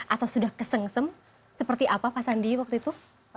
atau sudah kesengsem seperti apa pak sandi waktu itu